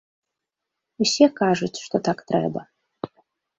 Усе кажуць, што так трэба.